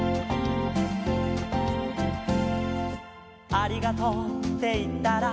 「ありがとうっていったら」